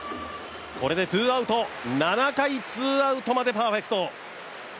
これでツーアウト７回ツーアウトまでパーフェクト。